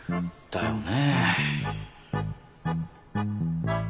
だよね。